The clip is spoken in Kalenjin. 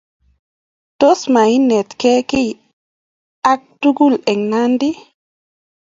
Tos mainetin kiy ake tukul eng' Nandi?